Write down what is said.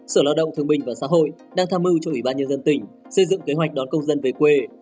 sở lao động thương bình và xã hội đang tham mưu cho ủy ban nhân dân tỉnh xây dựng kế hoạch đón công dân về quê